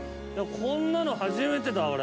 こんなの初めてだ俺。